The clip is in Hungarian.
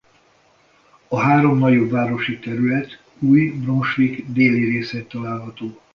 A három nagyobb városi terület Új-Brunswick déli részén található.